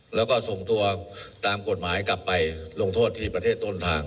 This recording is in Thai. แล้วก็ส่งตัวตามกฎหมายกลับไปลงโทษที่ประเทศต้นทาง